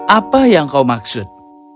apa yang kau maksud